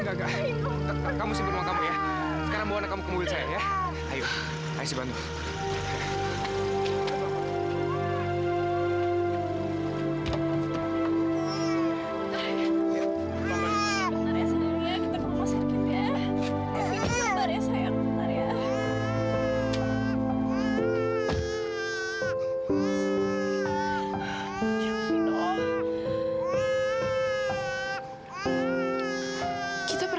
kalau kamu gugup gimana dokter bisa meresahkan kamu